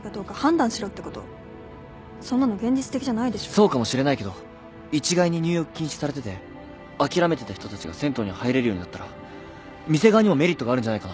そうかもしれないけど一概に入浴禁止されてて諦めてた人たちが銭湯に入れるようになったら店側にもメリットがあるんじゃないかな。